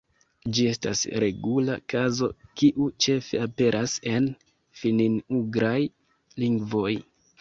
Ĝi estas regula kazo, kiu ĉefe aperas en finn-ugraj lingvoj.